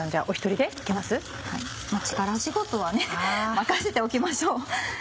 力仕事は任せておきましょう。